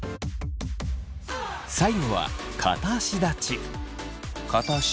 最後は片足立ち。